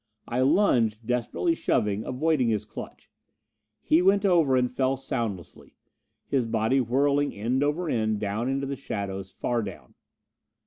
I lunged, desperately shoving, avoiding his clutch. He went over, and fell soundlessly, his body whirling end over end down into the shadows, far down.